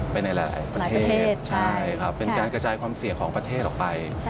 ไปในหลายประเทศใช่ครับเป็นการกระจายความเสี่ยงของประเทศออกไป